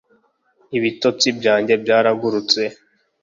Ibitotsi byanjye byaragurutse